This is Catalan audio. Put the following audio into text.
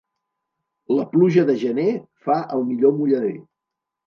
La pluja de gener fa el millor mullader.